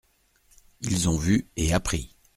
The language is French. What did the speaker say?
Ils ont vu et appris.